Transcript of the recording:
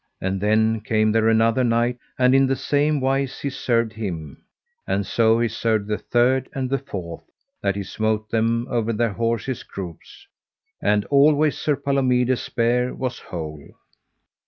And then came there another knight, and in the same wise he served him; and so he served the third and the fourth, that he smote them over their horses' croups, and always Sir Palomides' spear was whole.